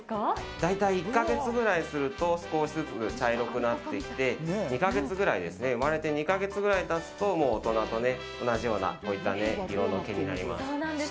大体１カ月ぐらいすると少しずつ茶色くなってきて生まれて２カ月ぐらいたつと大人と同じような色の毛になります。